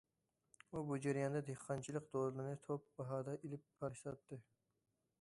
ئۇ بۇ جەرياندا دېھقانچىلىق دورىلىرىنى توپ باھادا ئېلىپ، پارچە ساتتى.